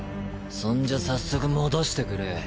そんじゃ早速戻してくれ。